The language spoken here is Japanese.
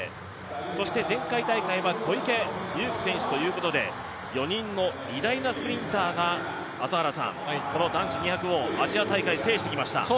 そして前回大会は小池祐貴選手ということで、４人の偉大なスプリンターが男子２００をアジア大会、制してきました。